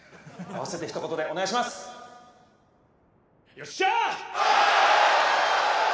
よっしゃ！